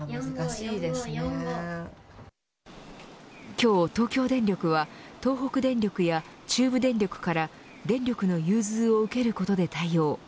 今日、東京電力は東北電力や中部電力から電力の融通を受けることで対応。